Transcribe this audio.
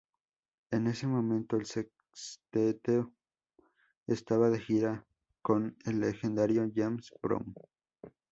En ese momento, el Sexteto estaba de gira con el legendario James Brown.